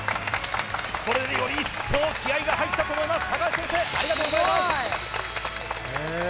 これでより一層気合が入ったと思います